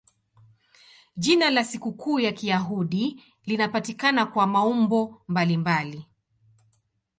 Jina la sikukuu ya Kiyahudi linapatikana kwa maumbo mbalimbali.